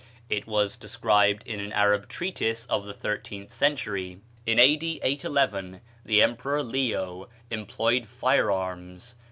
It was described in an Arab treatise of the thirteenth century. In A.D. 811 the Emperor Leo employed fire arms.